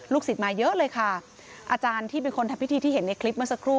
ศิษย์มาเยอะเลยค่ะอาจารย์ที่เป็นคนทำพิธีที่เห็นในคลิปเมื่อสักครู่